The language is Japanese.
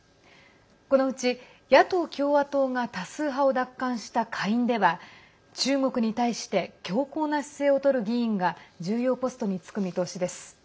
このうち、野党・共和党が多数派を奪還した下院では中国に対して強硬な姿勢をとる議員が重要ポストにつく見通しです。